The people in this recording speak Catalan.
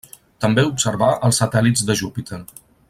També observà els satèl·lits de Júpiter.